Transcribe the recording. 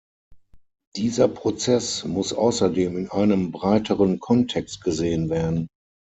Dieser Prozess muss außerdem in einem breiteren Kontext gesehen werden.